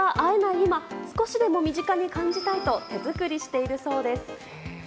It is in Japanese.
今少しでも身近に感じたいと手作りしているそうです。